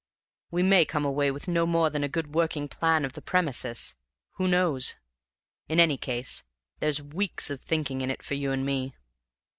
We may come away with no more than a good working plan of the premises. Who knows? In any case there's weeks of thinking in it for you and me."